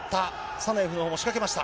サナエフのほうも仕掛けました。